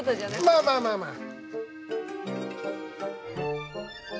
まあまあまあまあ！